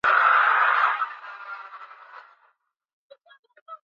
wengi walikichukia kiswahili kwa kuwa kilitumiwa na waarabu